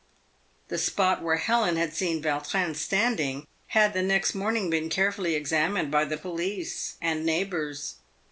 The spot where Helen had seen Vaiitrin standing had the next morning been carefully examined by the police and neighbours.